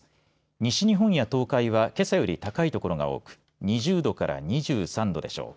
西日本や東海はけさより高い所が多く２０度から２３度でしょう。